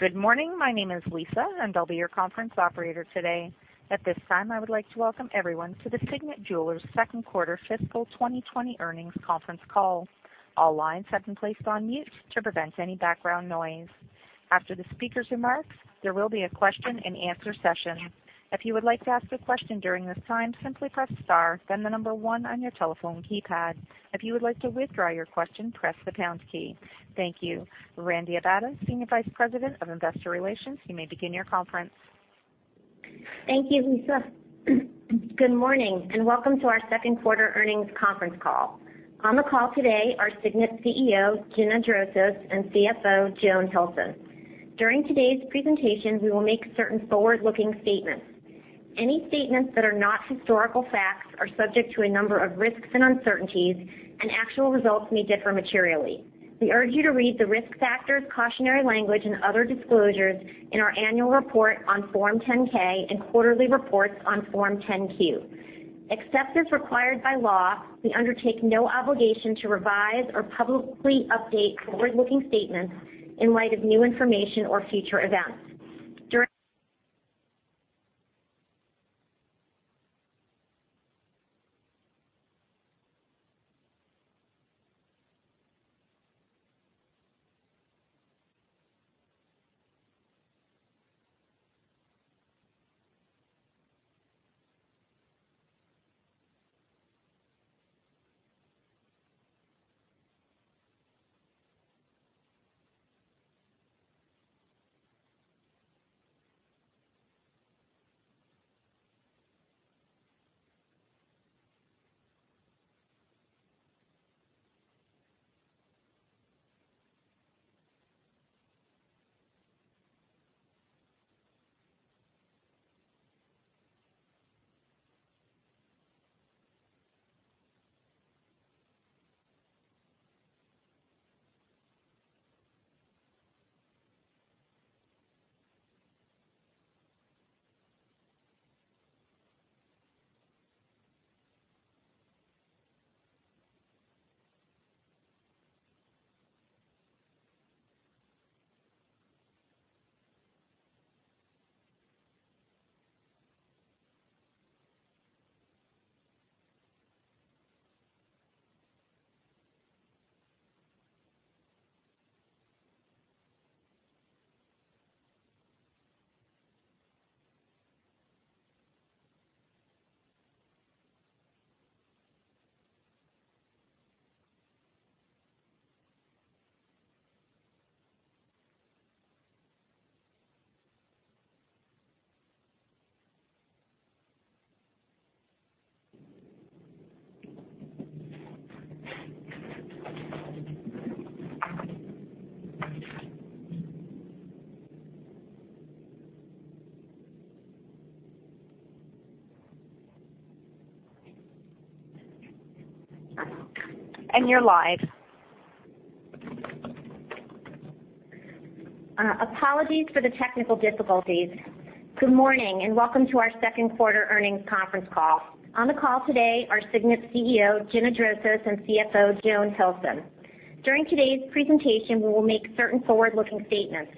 Good morning. My name is Lisa, and I'll be your conference operator today. At this time, I would like to welcome everyone to the Signet Jewelers second quarter fiscal 2020 earnings conference call. All lines have been placed on mute to prevent any background noise. After the speaker's remarks, there will be a question-and-answer session. If you would like to ask a question during this time, simply press star, then the number one on your telephone keypad. If you would like to withdraw your question, press the pound key. Thank you. Randi Abada, Senior Vice President of Investor Relations, you may begin your conference. Thank you, Lisa. Good morning, and welcome to our second quarter earnings conference call. On the call today are Signet CEO, Gina Drosos, and CFO, Joan Hilson. During today's presentation, we will make certain forward-looking statements. Any statements that are not historical facts are subject to a number of risks and uncertainties, and actual results may differ materially. We urge you to read the risk factors, cautionary language, and other disclosures in our annual report on Form 10-K and quarterly reports on Form 10-Q. Except as required by law, we undertake no obligation to revise or publicly update forward-looking statements in light of new information or future events. During. You're live. Apologies for the technical difficulties. Good morning, and welcome to our second quarter earnings conference call. On the call today are Signet CEO, Gina Drosos, and CFO, Joan Hilson. During today's presentation, we will make certain forward-looking statements.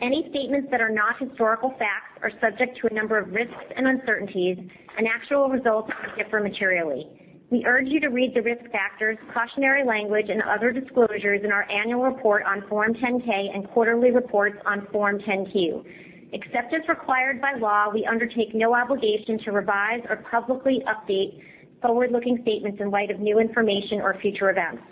Any statements that are not historical facts are subject to a number of risks and uncertainties, and actual results may differ materially. We urge you to read the risk factors, cautionary language, and other disclosures in our annual report on Form 10-K and quarterly reports on Form 10-Q. Except as required by law, we undertake no obligation to revise or publicly update forward-looking statements in light of new information or future events.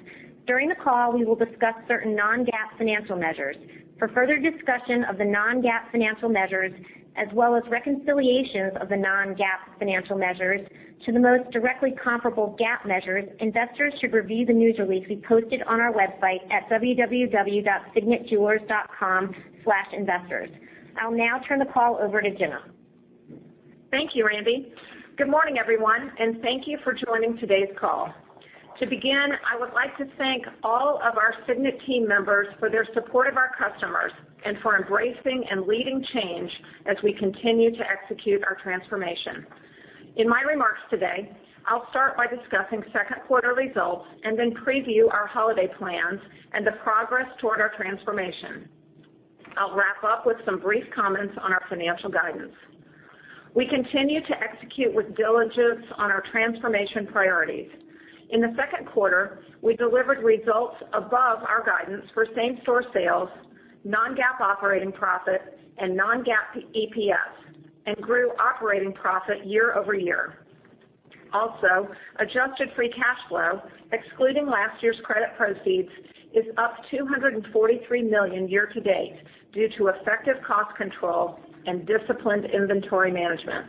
During the call, we will discuss certain non-GAAP financial measures. For further discussion of the non-GAAP financial measures, as well as reconciliations of the non-GAAP financial measures to the most directly comparable GAAP measures, investors should review the news release we posted on our website at www.signetjewelers.com/investors. I'll now turn the call over to Gina. Thank you, Randi. Good morning, everyone, and thank you for joining today's call. To begin, I would like to thank all of our Signet team members for their support of our customers and for embracing and leading change as we continue to execute our transformation. In my remarks today, I'll start by discussing second quarter results and then preview our holiday plans and the progress toward our transformation. I'll wrap up with some brief comments on our financial guidance. We continue to execute with diligence on our transformation priorities. In the second quarter, we delivered results above our guidance for same-store sales, non-GAAP operating profit, and non-GAAP EPS, and grew operating profit year over year. Also, adjusted free cash flow, excluding last year's credit proceeds, is up $243 million year to date due to effective cost control and disciplined inventory management.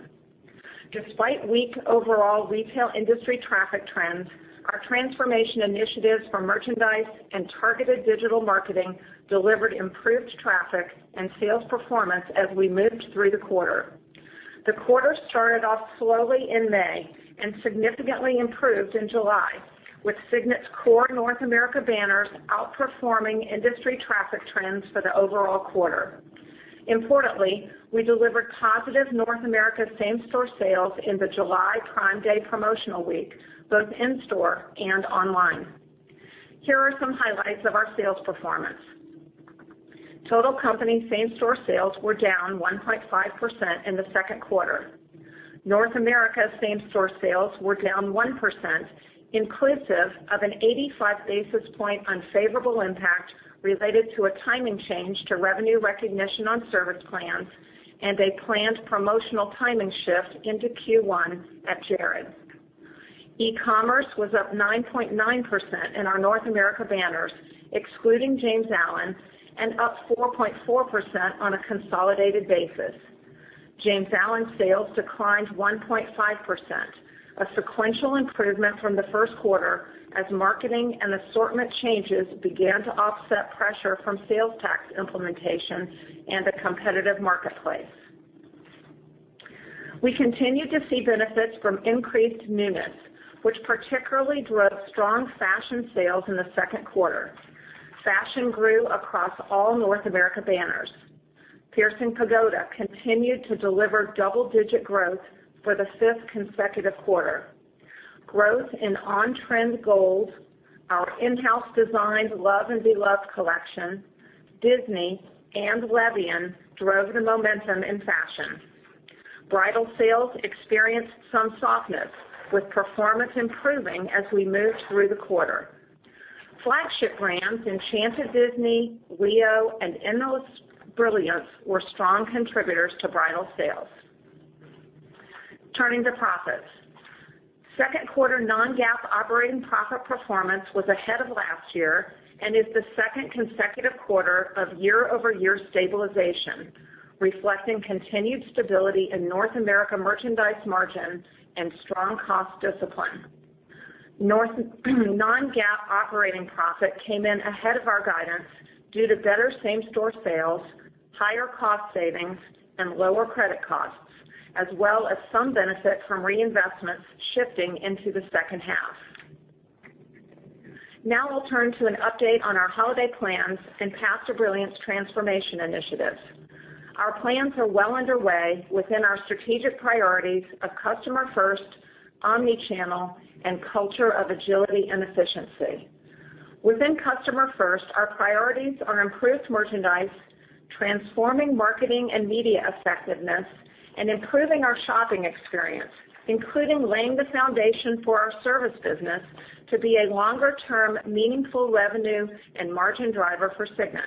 Despite weak overall retail industry traffic trends, our transformation initiatives for merchandise and targeted digital marketing delivered improved traffic and sales performance as we moved through the quarter. The quarter started off slowly in May and significantly improved in July, with Signet's core North America banners outperforming industry traffic trends for the overall quarter. Importantly, we delivered positive North America same-store sales in the July Prime Day promotional week, both in-store and online. Here are some highlights of our sales performance. Total company same-store sales were down 1.5% in the second quarter. North America same-store sales were down 1%, inclusive of an 85 basis point unfavorable impact related to a timing change to revenue recognition on service plans and a planned promotional timing shift into Q1 at Jared. E-commerce was up 9.9% in our North America banners, excluding James Allen, and up 4.4% on a consolidated basis. James Allen sales declined 1.5%, a sequential improvement from the first quarter as marketing and assortment changes began to offset pressure from sales tax implementation and a competitive marketplace. We continued to see benefits from increased newness, which particularly drove strong fashion sales in the second quarter. Fashion grew across all North America banners. Piercing Pagoda continued to deliver double-digit growth for the fifth consecutive quarter. Growth in on-trend gold, our in-house designed Love & Beloved collection, Disney, and Levian drove the momentum in fashion. Bridal sales experienced some softness, with performance improving as we moved through the quarter. Flagship brands Enchanted Disney, Leo, and Endless Brilliance were strong contributors to bridal sales. Turning to profits, second quarter non-GAAP operating profit performance was ahead of last year and is the second consecutive quarter of year-over-year stabilization, reflecting continued stability in North America merchandise margin and strong cost discipline. Non-GAAP operating profit came in ahead of our guidance due to better same-store sales, higher cost savings, and lower credit costs, as well as some benefit from reinvestments shifting into the second half. Now I'll turn to an update on our holiday plans and Past Present Future transformation initiatives. Our plans are well underway within our strategic priorities of customer-first, omnichannel, and culture of agility and efficiency. Within customer-first, our priorities are improved merchandise, transforming marketing and media effectiveness, and improving our shopping experience, including laying the foundation for our service business to be a longer-term meaningful revenue and margin driver for Signet.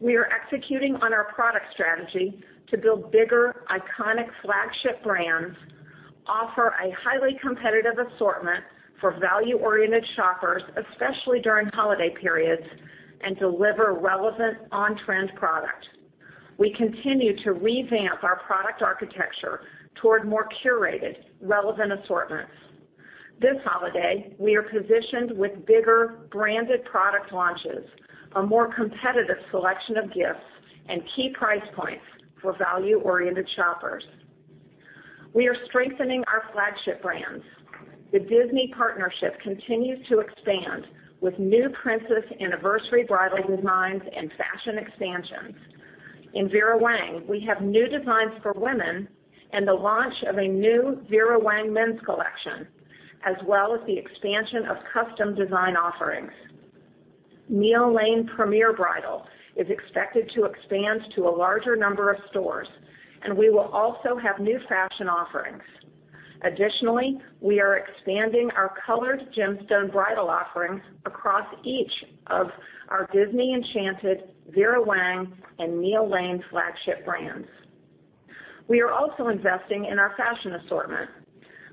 We are executing on our product strategy to build bigger, iconic flagship brands, offer a highly competitive assortment for value-oriented shoppers, especially during holiday periods, and deliver relevant on-trend product. We continue to revamp our product architecture toward more curated, relevant assortments. This holiday, we are positioned with bigger, branded product launches, a more competitive selection of gifts, and key price points for value-oriented shoppers. We are strengthening our flagship brands. The Disney partnership continues to expand with new Princess Anniversary bridal designs and fashion expansions. In Vera Wang, we have new designs for women and the launch of a new Vera Wang men's collection, as well as the expansion of custom design offerings. Neil Lane Premier Bridal is expected to expand to a larger number of stores, and we will also have new fashion offerings. Additionally, we are expanding our colored gemstone bridal offerings across each of our Disney Enchanted, Vera Wang, and Neil Lane flagship brands. We are also investing in our fashion assortment.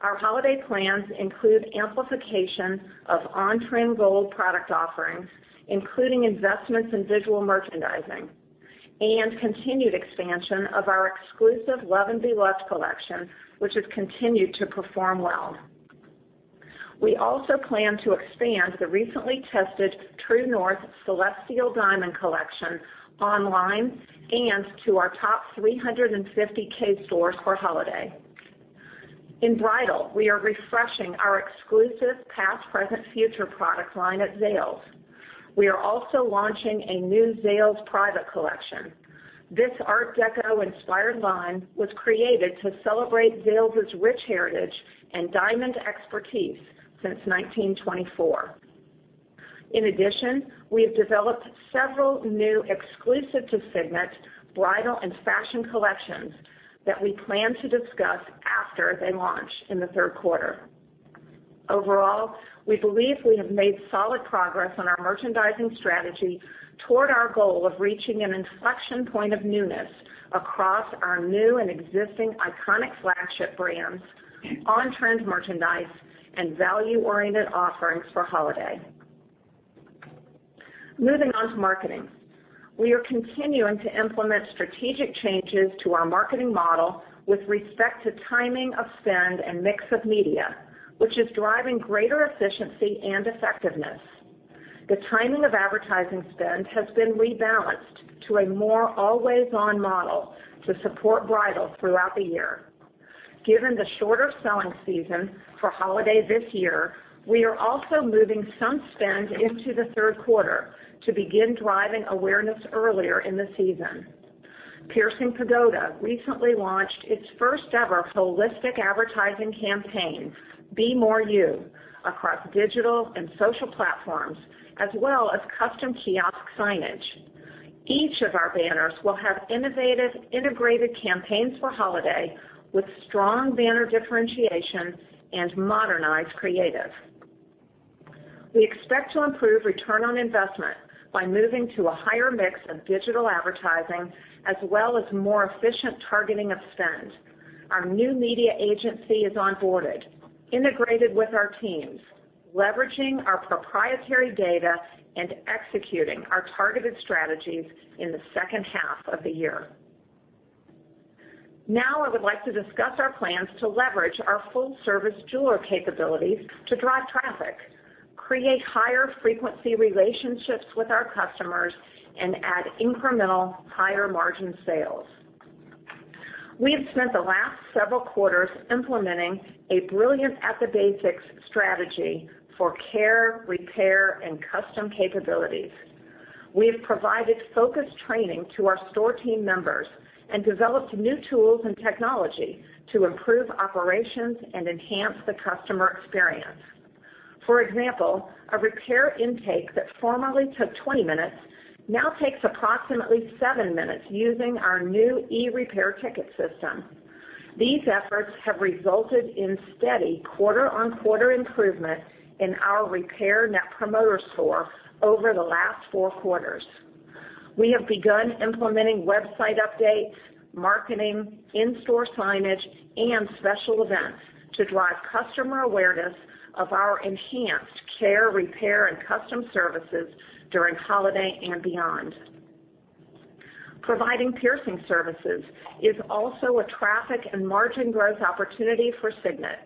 Our holiday plans include amplification of on-trend gold product offerings, including investments in visual merchandising, and continued expansion of our exclusive Love & Beloved collection, which has continued to perform well. We also plan to expand the recently tested True North Celestial Diamond collection online and to our top 350 K stores for holiday. In bridal, we are refreshing our exclusive Past Present Future product line at Zales. We are also launching a new Zales private collection. This art deco-inspired line was created to celebrate Zales' rich heritage and diamond expertise since 1924. In addition, we have developed several new exclusive to Signet bridal and fashion collections that we plan to discuss after they launch in the third quarter. Overall, we believe we have made solid progress on our merchandising strategy toward our goal of reaching an inflection point of newness across our new and existing iconic flagship brands, on-trend merchandise, and value-oriented offerings for holiday. Moving on to marketing, we are continuing to implement strategic changes to our marketing model with respect to timing of spend and mix of media, which is driving greater efficiency and effectiveness. The timing of advertising spend has been rebalanced to a more always-on model to support bridal throughout the year. Given the shorter selling season for holiday this year, we are also moving some spend into the third quarter to begin driving awareness earlier in the season. Piercing Pagoda recently launched its first-ever holistic advertising campaign, Be More You, across digital and social platforms, as well as custom kiosk signage. Each of our banners will have innovative, integrated campaigns for holiday with strong banner differentiation and modernized creative. We expect to improve return on investment by moving to a higher mix of digital advertising, as well as more efficient targeting of spend. Our new media agency is onboarded, integrated with our teams, leveraging our proprietary data and executing our targeted strategies in the second half of the year. Now I would like to discuss our plans to leverage our full-service jeweler capabilities to drive traffic, create higher frequency relationships with our customers, and add incremental higher margin sales. We have spent the last several quarters implementing a brilliant at-the-basics strategy for care, repair, and custom capabilities. We have provided focused training to our store team members and developed new tools and technology to improve operations and enhance the customer experience. For example, a repair intake that formerly took 20 minutes now takes approximately 7 minutes using our new e-repair ticket system. These efforts have resulted in steady quarter-on-quarter improvement in our repair net promoter score over the last four quarters. We have begun implementing website updates, marketing, in-store signage, and special events to drive customer awareness of our enhanced care, repair, and custom services during holiday and beyond. Providing piercing services is also a traffic and margin growth opportunity for Signet.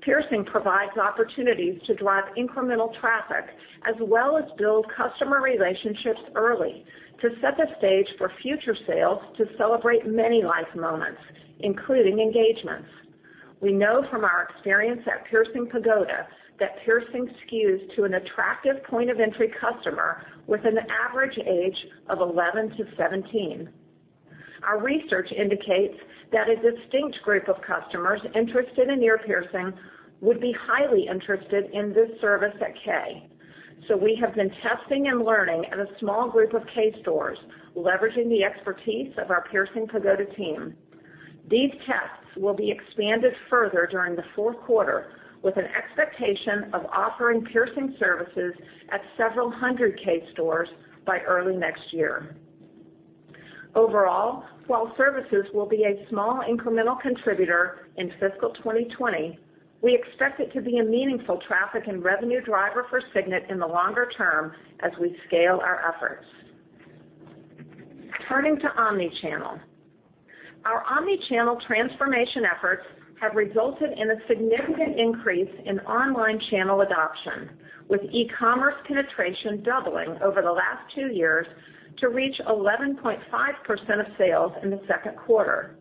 Piercing provides opportunities to drive incremental traffic, as well as build customer relationships early to set the stage for future sales to celebrate many life moments, including engagements. We know from our experience at Piercing Pagoda that piercing skews to an attractive point of entry customer with an average age of 11 to 17. Our research indicates that a distinct group of customers interested in ear piercing would be highly interested in this service at K. We have been testing and learning at a small group of K stores, leveraging the expertise of our Piercing Pagoda team. These tests will be expanded further during the fourth quarter, with an expectation of offering piercing services at several hundred K stores by early next year. Overall, while services will be a small incremental contributor in fiscal 2020, we expect it to be a meaningful traffic and revenue driver for Signet in the longer term as we scale our efforts. Turning to omnichannel, our omnichannel transformation efforts have resulted in a significant increase in online channel adoption, with e-commerce penetration doubling over the last two years to reach 11.5% of sales in the second quarter.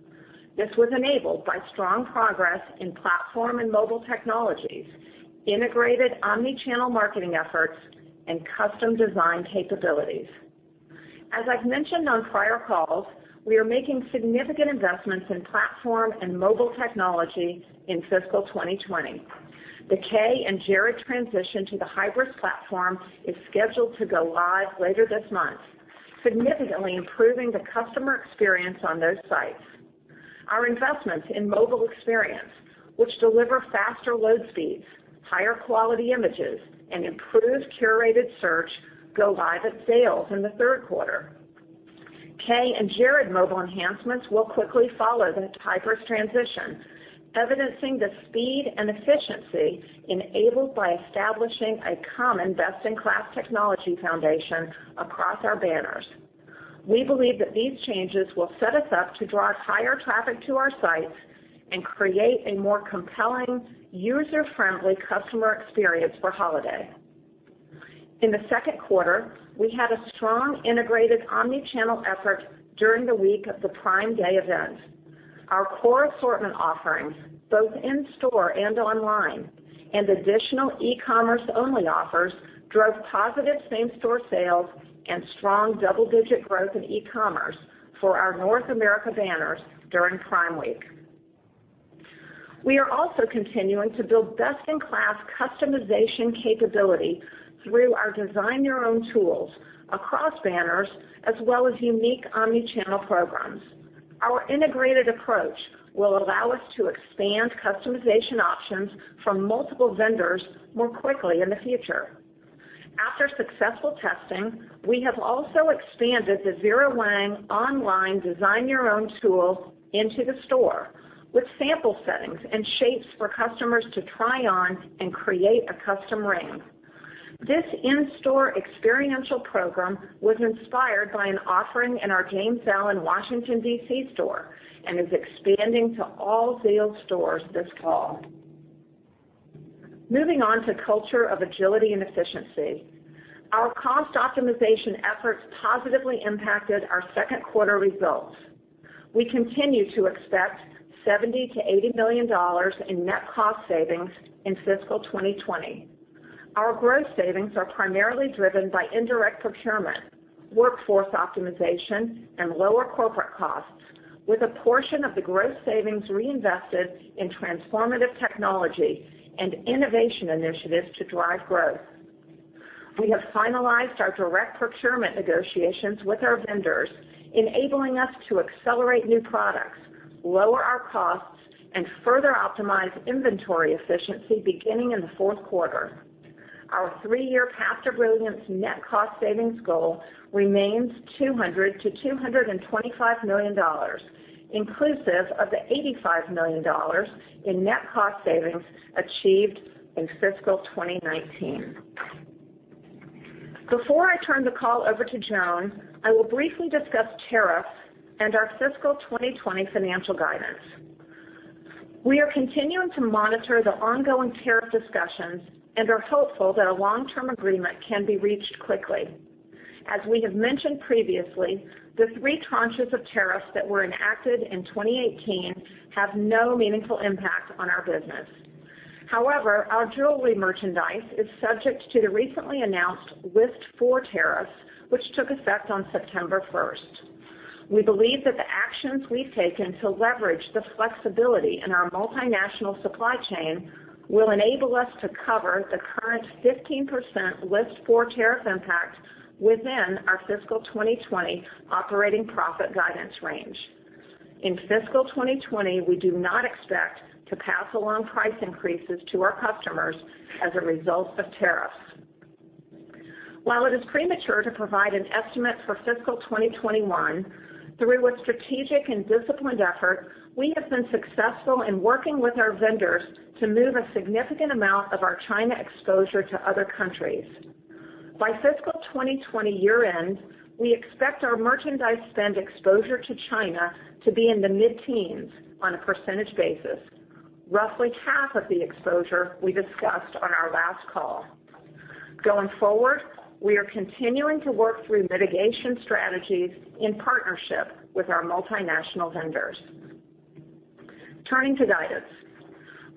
This was enabled by strong progress in platform and mobile technologies, integrated omnichannel marketing efforts, and custom design capabilities. As I've mentioned on prior calls, we are making significant investments in platform and mobile technology in fiscal 2020. The Kay and Jared transition to the Hybris platform is scheduled to go live later this month, significantly improving the customer experience on those sites. Our investments in mobile experience, which deliver faster load speeds, higher quality images, and improved curated search, go live at Zales in the third quarter. Kay and Jared mobile enhancements will quickly follow the Hybris transition, evidencing the speed and efficiency enabled by establishing a common best-in-class technology foundation across our banners. We believe that these changes will set us up to drive higher traffic to our sites and create a more compelling, user-friendly customer experience for holiday. In the second quarter, we had a strong integrated omnichannel effort during the week of the Prime Day event. Our core assortment offerings, both in-store and online, and additional e-commerce-only offers drove positive same-store sales and strong double-digit growth in e-commerce for our North America banners during Prime Week. We are also continuing to build best-in-class customization capability through our design-your-own tools across banners, as well as unique omnichannel programs. Our integrated approach will allow us to expand customization options from multiple vendors more quickly in the future. After successful testing, we have also expanded the Vera Wang online design-your-own tool into the store with sample settings and shapes for customers to try on and create a custom ring. This in-store experiential program was inspired by an offering in our James Allen Washington, D.C. store and is expanding to all Zales stores this fall. Moving on to culture of agility and efficiency, our cost optimization efforts positively impacted our second quarter results. We continue to expect $70 million-$80 million in net cost savings in fiscal 2020. Our gross savings are primarily driven by indirect procurement, workforce optimization, and lower corporate costs, with a portion of the gross savings reinvested in transformative technology and innovation initiatives to drive growth. We have finalized our direct procurement negotiations with our vendors, enabling us to accelerate new products, lower our costs, and further optimize inventory efficiency beginning in the fourth quarter. Our three-year Endless Brilliance net cost savings goal remains $200 million-$225 million, inclusive of the $85 million in net cost savings achieved in fiscal 2019. Before I turn the call over to Joan, I will briefly discuss tariffs and our fiscal 2020 financial guidance. We are continuing to monitor the ongoing tariff discussions and are hopeful that a long-term agreement can be reached quickly. As we have mentioned previously, the three tranches of tariffs that were enacted in 2018 have no meaningful impact on our business. However, our jewelry merchandise is subject to the recently announced list four tariffs, which took effect on September 1. We believe that the actions we've taken to leverage the flexibility in our multinational supply chain will enable us to cover the current 15% list four tariff impact within our fiscal 2020 operating profit guidance range. In fiscal 2020, we do not expect to pass along price increases to our customers as a result of tariffs. While it is premature to provide an estimate for fiscal 2021, through a strategic and disciplined effort, we have been successful in working with our vendors to move a significant amount of our China exposure to other countries. By fiscal 2020 year-end, we expect our merchandise spend exposure to China to be in the mid-teens on a % basis, roughly half of the exposure we discussed on our last call. Going forward, we are continuing to work through mitigation strategies in partnership with our multinational vendors. Turning to guidance,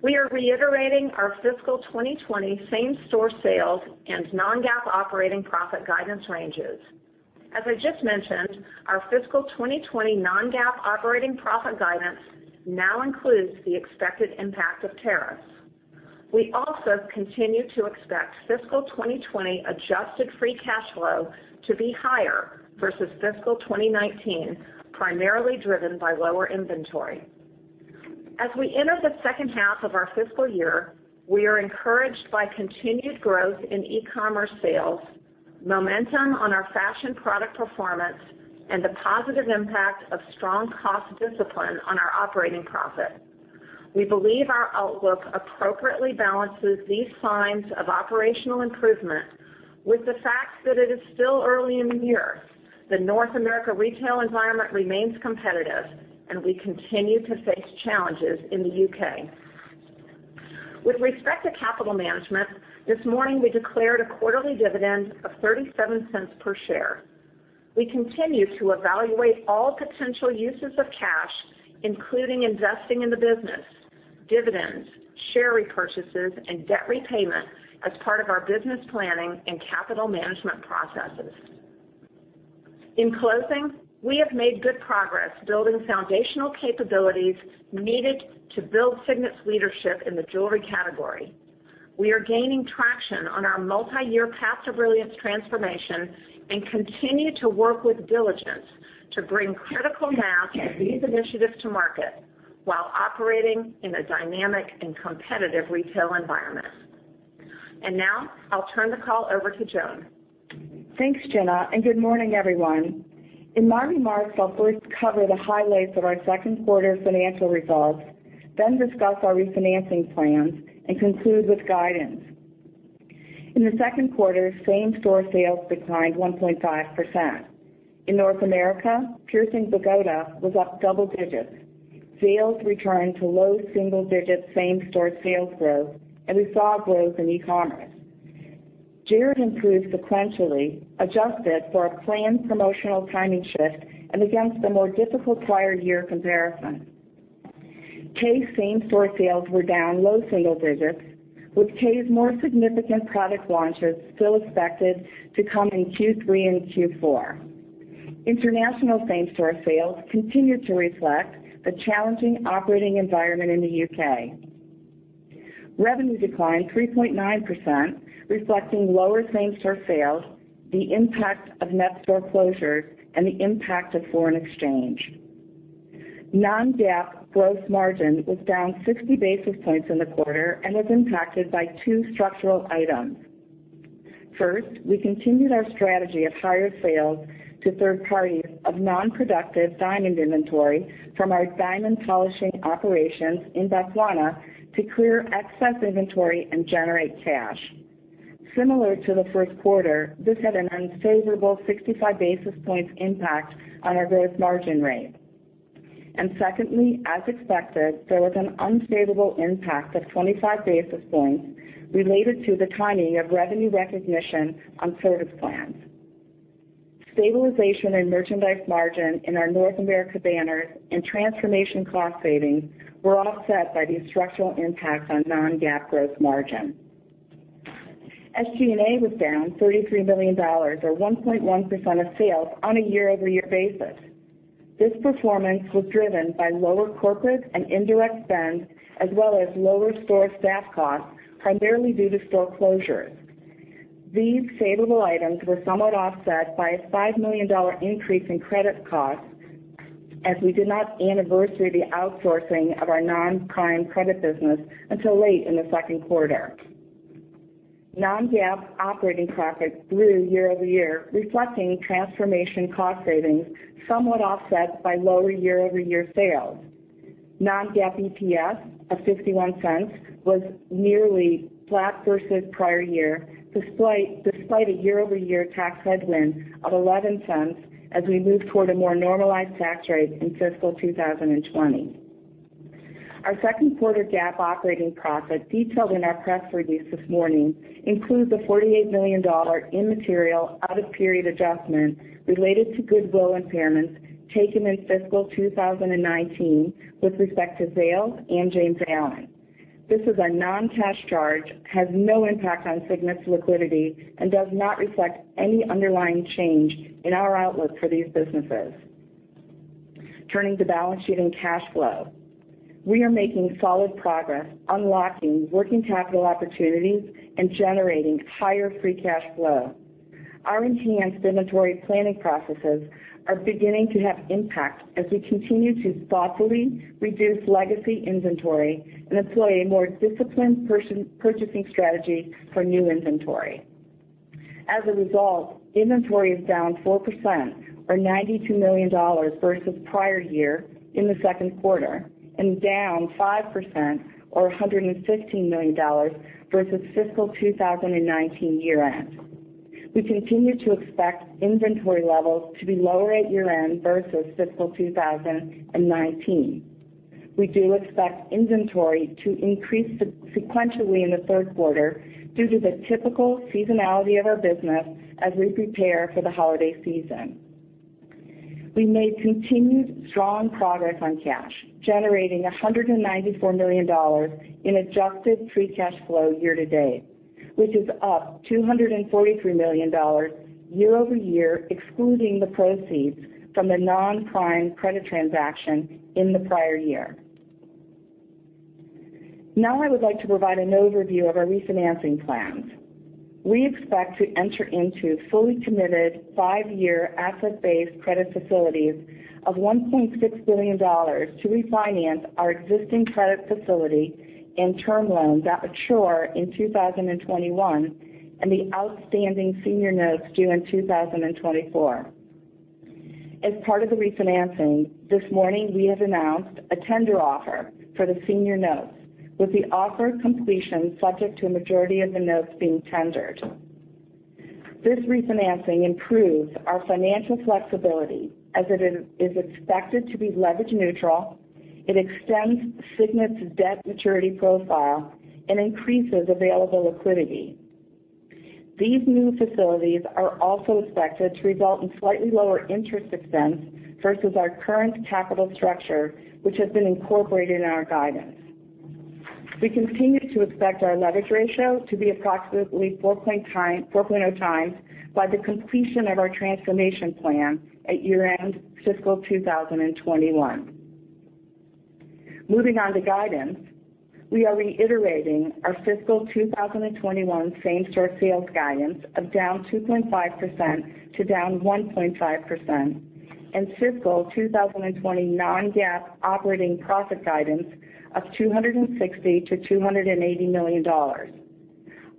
we are reiterating our fiscal 2020 same-store sales and non-GAAP operating profit guidance ranges. As I just mentioned, our fiscal 2020 non-GAAP operating profit guidance now includes the expected impact of tariffs. We also continue to expect fiscal 2020 adjusted free cash flow to be higher versus fiscal 2019, primarily driven by lower inventory. As we enter the second half of our fiscal year, we are encouraged by continued growth in e-commerce sales, momentum on our fashion product performance, and the positive impact of strong cost discipline on our operating profit. We believe our outlook appropriately balances these signs of operational improvement with the fact that it is still early in the year. The North America retail environment remains competitive, and we continue to face challenges in the U.K. With respect to capital management, this morning we declared a quarterly dividend of $0.37 per share. We continue to evaluate all potential uses of cash, including investing in the business, dividends, share repurchases, and debt repayment as part of our business planning and capital management processes. In closing, we have made good progress building foundational capabilities needed to build Signet's leadership in the jewelry category. We are gaining traction on our multi-year Past Present Future transformation and continue to work with diligence to bring critical mass of these initiatives to market while operating in a dynamic and competitive retail environment. Now I'll turn the call over to Joan. Thanks, Gina, and good morning, everyone. In my remarks, I'll first cover the highlights of our second quarter financial results, then discuss our refinancing plans, and conclude with guidance. In the second quarter, same-store sales declined 1.5%. In North America, Piercing Pagoda was up double digits. Zales returned to low single-digit same-store sales growth, and we saw growth in e-commerce. Jared improved sequentially, adjusted for a planned promotional timing shift and against the more difficult prior year comparison. K's same-store sales were down low single digits, with K's more significant product launches still expected to come in Q3 and Q4. International same-store sales continued to reflect the challenging operating environment in the U.K. Revenue declined 3.9%, reflecting lower same-store sales, the impact of net store closures, and the impact of foreign exchange. Non-GAAP gross margin was down 60 basis points in the quarter and was impacted by two structural items. First, we continued our strategy of higher sales to third parties of non-productive diamond inventory from our diamond polishing operations in Botswana to clear excess inventory and generate cash. Similar to the first quarter, this had an unfavorable 65 basis points impact on our gross margin rate. Secondly, as expected, there was an unfavorable impact of 25 basis points related to the timing of revenue recognition on service plans. Stabilization in merchandise margin in our North America banners and transformation cost savings were offset by these structural impacts on non-GAAP gross margin. SG&A was down $33 million, or 1.1% of sales, on a year-over-year basis. This performance was driven by lower corporate and indirect spend, as well as lower store staff costs, primarily due to store closures. These favorable items were somewhat offset by a $5 million increase in credit costs, as we did not anniversary the outsourcing of our non-Prime credit business until late in the second quarter. Non-GAAP operating profit grew year-over-year, reflecting transformation cost savings somewhat offset by lower year-over-year sales. Non-GAAP EPS of $0.51 was nearly flat versus prior year, despite a year-over-year tax headwind of $0.11 as we move toward a more normalized tax rate in fiscal 2020. Our second quarter GAAP operating profit, detailed in our press release this morning, includes a $48 million in material out-of-period adjustment related to goodwill impairments taken in fiscal 2019 with respect to Zales and James Allen. This is a non-cash charge, has no impact on Signet's liquidity, and does not reflect any underlying change in our outlook for these businesses. Turning to balance sheet and cash flow, we are making solid progress, unlocking working capital opportunities and generating higher free cash flow. Our enhanced inventory planning processes are beginning to have impact as we continue to thoughtfully reduce legacy inventory and employ a more disciplined purchasing strategy for new inventory. As a result, inventory is down 4%, or $92 million versus prior year in the second quarter, and down 5%, or $115 million versus fiscal 2019 year-end. We continue to expect inventory levels to be lower at year-end versus fiscal 2019. We do expect inventory to increase sequentially in the third quarter due to the typical seasonality of our business as we prepare for the holiday season. We made continued strong progress on cash, generating $194 million in adjusted free cash flow year-to-date, which is up $243 million year-over-year, excluding the proceeds from the non-Prime credit transaction in the prior year. Now I would like to provide an overview of our refinancing plans. We expect to enter into fully committed five-year asset-based credit facilities of $1.6 billion to refinance our existing credit facility and term loans that mature in 2021 and the outstanding senior notes due in 2024. As part of the refinancing this morning, we have announced a tender offer for the senior notes, with the offer completion subject to a majority of the notes being tendered. This refinancing improves our financial flexibility as it is expected to be leverage neutral, it extends Signet's debt maturity profile, and increases available liquidity. These new facilities are also expected to result in slightly lower interest expense versus our current capital structure, which has been incorporated in our guidance. We continue to expect our leverage ratio to be approximately 4.0 times by the completion of our transformation plan at year-end fiscal 2021. Moving on to guidance, we are reiterating our fiscal 2021 same-store sales guidance of down 2.5% to down 1.5% and fiscal 2020 non-GAAP operating profit guidance of $260-$280 million.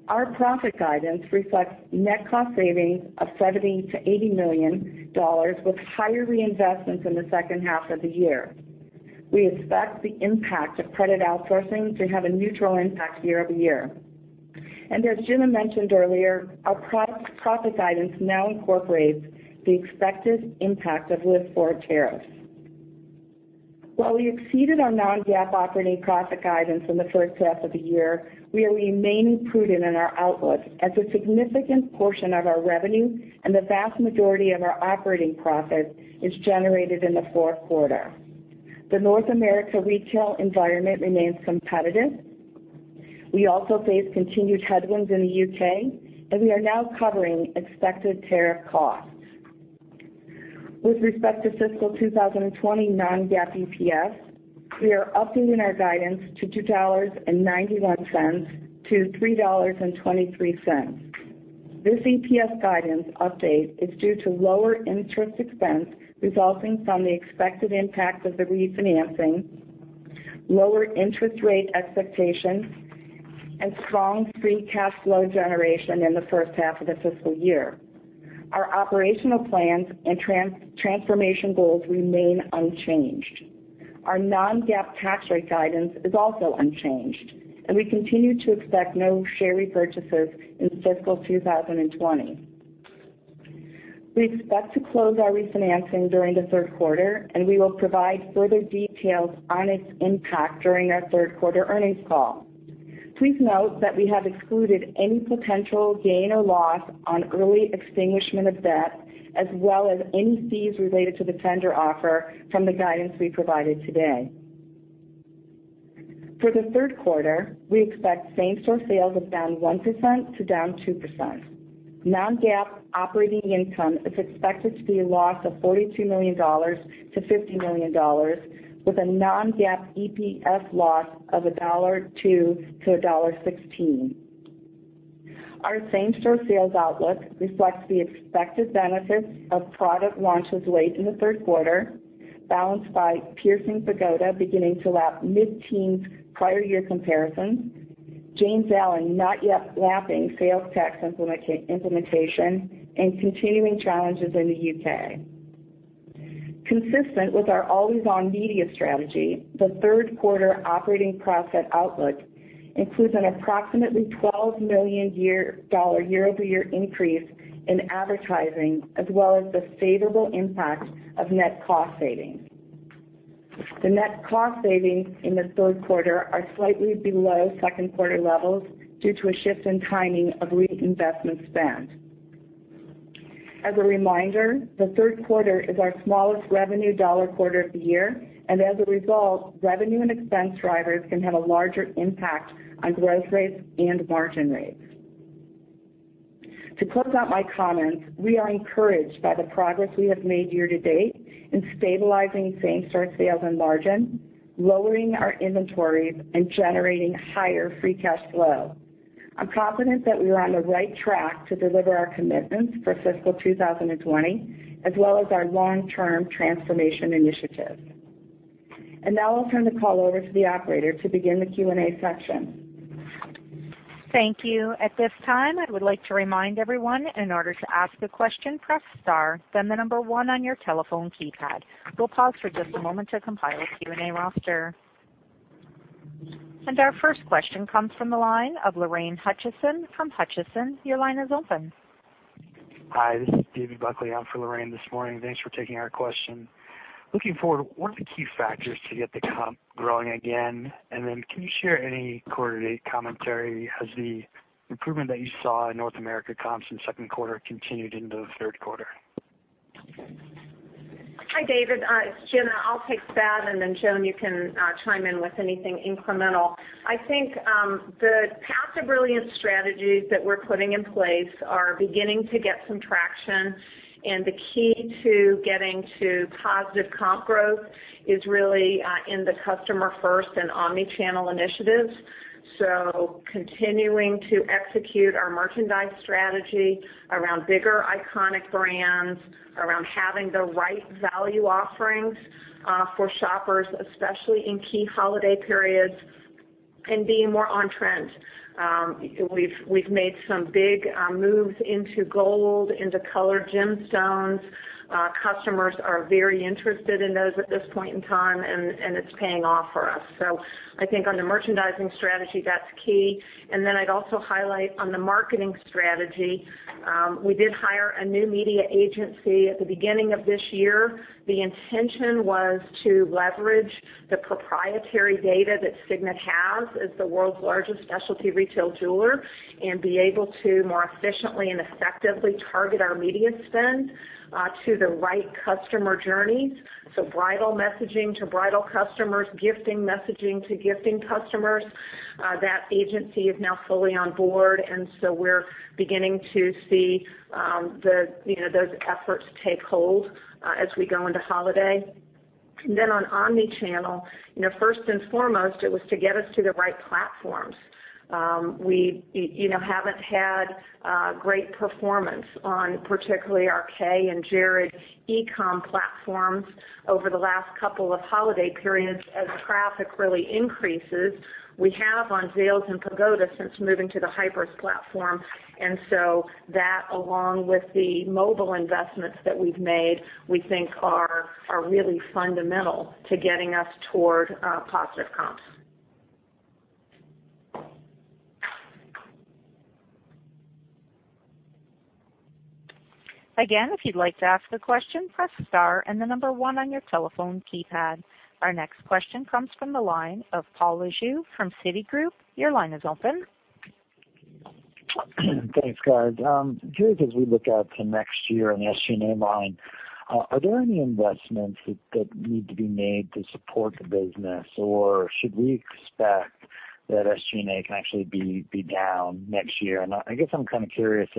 Our profit guidance reflects net cost savings of $70-$80 million, with higher reinvestments in the second half of the year. We expect the impact of credit outsourcing to have a neutral impact year-over-year. As Gina mentioned earlier, our profit guidance now incorporates the expected impact of list four tariffs. While we exceeded our non-GAAP operating profit guidance in the first half of the year, we are remaining prudent in our outlook as a significant portion of our revenue and the vast majority of our operating profit is generated in the fourth quarter. The North America retail environment remains competitive. We also face continued headwinds in the U.K., and we are now covering expected tariff costs. With respect to fiscal 2020 non-GAAP EPS, we are updating our guidance to $2.91-$3.23. This EPS guidance update is due to lower interest expense resulting from the expected impact of the refinancing, lower interest rate expectation, and strong free cash flow generation in the first half of the fiscal year. Our operational plans and transformation goals remain unchanged. Our non-GAAP tax rate guidance is also unchanged, and we continue to expect no share repurchases in fiscal 2020. We expect to close our refinancing during the third quarter, and we will provide further details on its impact during our third quarter earnings call. Please note that we have excluded any potential gain or loss on early extinguishment of debt, as well as any fees related to the tender offer from the guidance we provided today. For the third quarter, we expect same-store sales of down 1% to down 2%. Non-GAAP operating income is expected to be a loss of $42 million-$50 million, with a non-GAAP EPS loss of $1.02-$1.16. Our same-store sales outlook reflects the expected benefits of product launches late in the third quarter, balanced by Piercing Pagoda beginning to lap mid-teens prior year comparisons, James Allen not yet lapping sales tax implementation, and continuing challenges in the U.K. Consistent with our always-on media strategy, the third quarter operating profit outlook includes an approximately $12 million year-over-year increase in advertising, as well as the favorable impact of net cost savings. The net cost savings in the third quarter are slightly below second quarter levels due to a shift in timing of reinvestment spend. As a reminder, the third quarter is our smallest revenue dollar quarter of the year, and as a result, revenue and expense drivers can have a larger impact on growth rates and margin rates. To close out my comments, we are encouraged by the progress we have made year-to-date in stabilizing same-store sales and margin, lowering our inventories, and generating higher free cash flow. I'm confident that we are on the right track to deliver our commitments for fiscal 2020, as well as our long-term transformation initiatives. Now I'll turn the call over to the operator to begin the Q&A section. Thank you. At this time, I would like to remind everyone, in order to ask a question, press star, then the number one on your telephone keypad. We'll pause for just a moment to compile a Q&A roster. Our first question comes from the line of Lorraine Hutchison. From Hutchison, your line is open. Hi, this is David Buckley out for Lorraine this morning. Thanks for taking our question. Looking forward, what are the key factors to get the comp growing again? Can you share any quarter-to-date commentary as the improvement that you saw in North America comps in the second quarter continued into the third quarter? Hi, David. It's Gina. I'll take that, and Joan, you can chime in with anything incremental. I think the path to brilliant strategies that we're putting in place are beginning to get some traction, and the key to getting to positive comp growth is really in the customer-first and omnichannel initiatives. Continuing to execute our merchandise strategy around bigger iconic brands, around having the right value offerings for shoppers, especially in key holiday periods, and being more on-trend. We've made some big moves into gold, into colored gemstones. Customers are very interested in those at this point in time, and it's paying off for us. I think on the merchandising strategy, that's key. I'd also highlight on the marketing strategy. We did hire a new media agency at the beginning of this year. The intention was to leverage the proprietary data that Signet has as the world's largest specialty retail jeweler and be able to more efficiently and effectively target our media spend to the right customer journeys. Bridal messaging to bridal customers, gifting messaging to gifting customers. That agency is now fully on board, and we are beginning to see those efforts take hold as we go into holiday. On omnichannel, first and foremost, it was to get us to the right platforms. We have not had great performance on particularly our Kay and Jared e-comm platforms over the last couple of holiday periods. As traffic really increases, we have on Zales and Pagoda since moving to the Hybris platform. That, along with the mobile investments that we have made, we think are really fundamental to getting us toward positive comps. Again, if you'd like to ask a question, press star and the number one on your telephone keypad. Our next question comes from the line of Paul Lejuez from Citigroup. Your line is open. Thanks, guys. Curious, as we look out to next year on the SG&A line, are there any investments that need to be made to support the business, or should we expect that SG&A can actually be down next year? I guess I'm kind of curious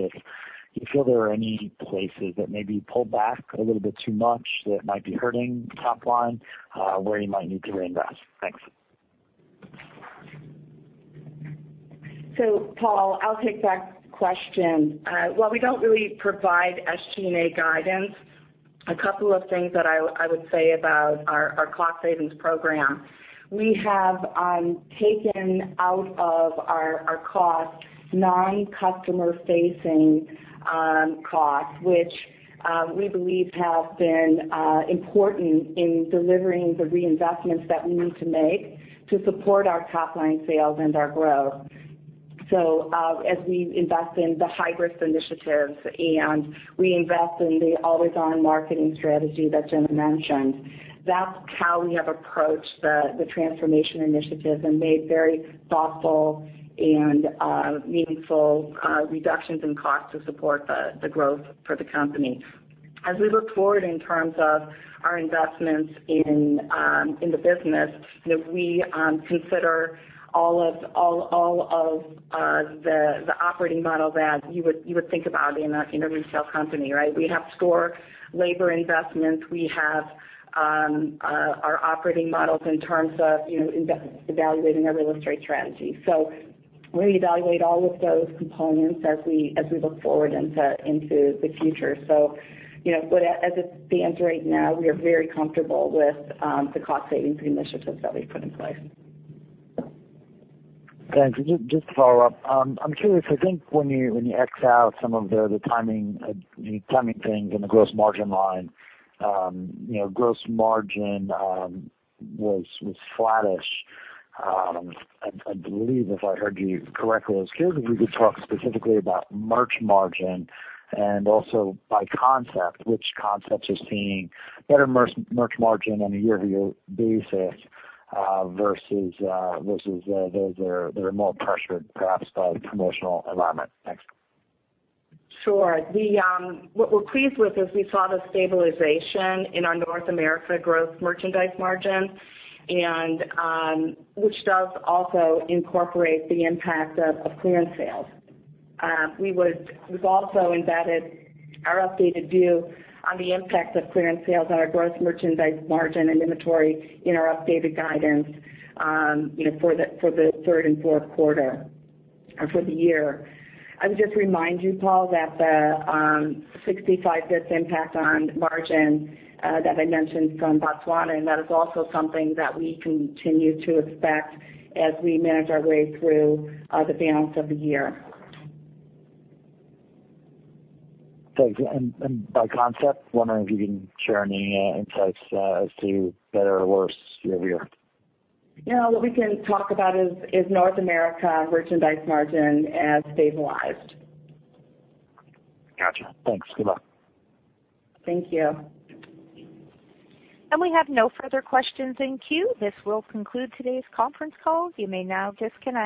if you feel there are any places that maybe pulled back a little bit too much that might be hurting top line where you might need to reinvest. Thanks. Paul, I'll take that question. While we don't really provide SG&A guidance, a couple of things that I would say about our cost savings program. We have taken out of our costs non-customer-facing costs, which we believe have been important in delivering the reinvestments that we need to make to support our top line sales and our growth. As we invest in the Hybris initiatives and we invest in the always-on marketing strategy that Gina mentioned, that's how we have approached the transformation initiatives and made very thoughtful and meaningful reductions in costs to support the growth for the company. As we look forward in terms of our investments in the business, we consider all of the operating model that you would think about in a retail company, right? We have store labor investments. We have our operating models in terms of evaluating our real estate strategy. We evaluate all of those components as we look forward into the future. As it stands right now, we are very comfortable with the cost savings initiatives that we've put in place. Thanks. Just to follow up, I'm curious. I think when you X out some of the timing things and the gross margin line, gross margin was flattish, I believe, if I heard you correctly. I was curious if we could talk specifically about merch margin and also by concept, which concepts are seeing better merch margin on a year-over-year basis versus those that are more pressured, perhaps, by promotional environment. Thanks. Sure. What we're pleased with is we saw the stabilization in our North America growth merchandise margin, which does also incorporate the impact of clearance sales. We've also embedded our updated view on the impact of clearance sales on our growth merchandise margin and inventory in our updated guidance for the third and fourth quarter for the year. I would just remind you, Paul, that the 65 basis points impact on margin that I mentioned from Botswana, and that is also something that we continue to expect as we manage our way through the balance of the year. Thanks. By concept, wondering if you can share any insights as to better or worse year-over-year. Yeah. What we can talk about is North America merchandise margin has stabilized. Gotcha. Thanks. Good luck. Thank you. We have no further questions in queue. This will conclude today's conference call. You may now disconnect.